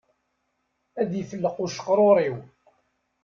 Ad ifelleq uceqrur-iw